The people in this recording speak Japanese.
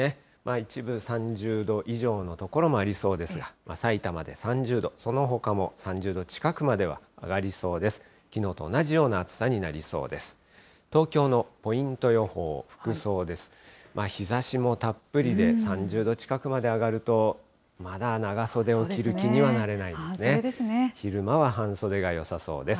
一部３０度以上の所もありそうですが、さいたまで３０度、そのほかも３０度近くまでは上がりそうです。